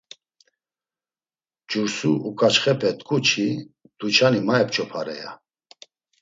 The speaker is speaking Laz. Cursu oǩaçxepe t̆ǩu çi tuçani ma ep̌ç̌opare, ya.